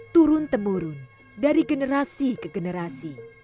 turun temurun dari generasi ke generasi